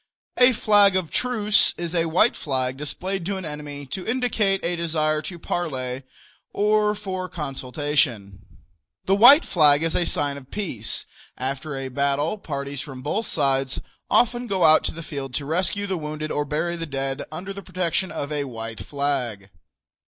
A "flag of truce" is a white flag displayed to an enemy to indicate a desire to parley or for consultation. The white flag is a sign of peace. After a battle parties from both sides often go out to the field to rescue the wounded or bury dead under the protection of a white flag.